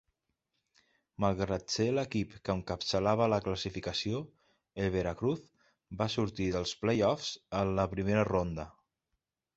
Malgrat ser l'equip que encapçalava la classificació, el Veracruz va sortir dels play-offs en la primera ronda.